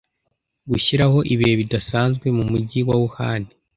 gushyiraho ibihe bidasanzwe mu mujyi wa Wuhan